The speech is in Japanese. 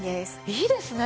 いいですね